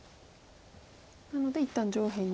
なので一旦上辺に。